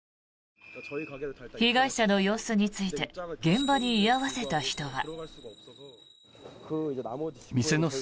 被害者の様子について現場に居合わせた人は。